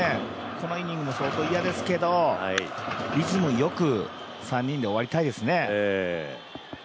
このイニング、相当、嫌ですけどリズムよく３人で終わりたいですね。